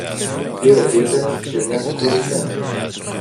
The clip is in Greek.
δυο πίτες και μια σκούφια.